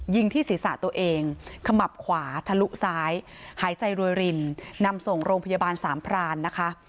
ยิงที่ศีรษะตัวเองขมับขวาทะลุซ้ายหายใจรวยรินนำส่งโรงพยาบาลสามพรานนะคะ